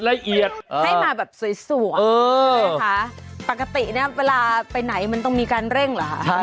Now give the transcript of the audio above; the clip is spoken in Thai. ละเอียดให้มาแบบสวยนะคะปกติเนี่ยเวลาไปไหนมันต้องมีการเร่งเหรอคะ